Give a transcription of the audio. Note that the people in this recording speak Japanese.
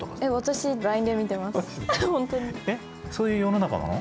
えっそういう世の中なの？